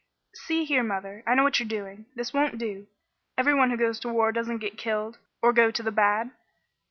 "See here, mother! I know what you are doing. This won't do. Every one who goes to war doesn't get killed or go to the bad.